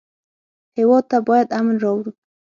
هېواد ته باید امن راوړو